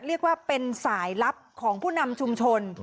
เรียกว่าเป็นสายลับของผู้นำชุมชน